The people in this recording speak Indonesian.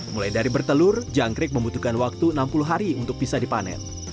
mulai dari bertelur jangkrik membutuhkan waktu enam puluh hari untuk bisa dipanen